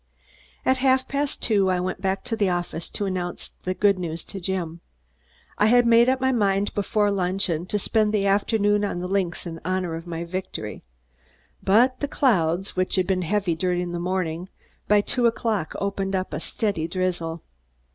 At half past two I went back to the office to announce the good news to Jim. I had made up my mind before luncheon to spend the afternoon on the links in honor of my victory, but the clouds, which had been heavy during the morning, by two o'clock opened up a steady drizzle.